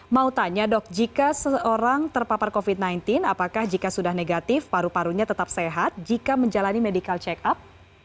mau tanya dok jika seseorang terpapar covid sembilan belas apakah jika sudah negatif paru parunya tetap sehat jika menjalani medical check up